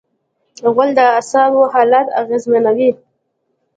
غول د اعصابو حالت اغېزمنوي.